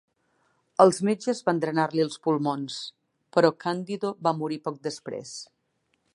Els metges van drenar-li els pulmons, però Candido va morir poc després.